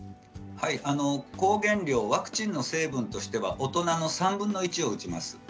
抗原量ワクチンの成分としては大人の３分の１を打ちます。